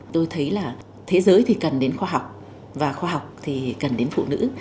tôi thấy là thế giới thì cần đến khoa học và khoa học thì cần đến phụ nữ